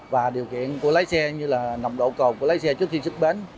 và điều kiện của lái xe như là nộp độ cầu của lái xe trước khi xuất bến